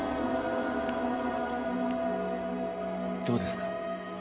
どうですか？